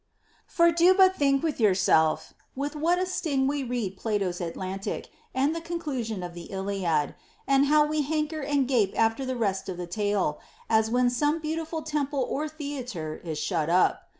For do but think with yourself, with what a sting we read Plato's Atlantic and the conclusion of the Iliad, and how we hanker and gape after the rest of the tale, as when some beautiful temple or theatre is shut up.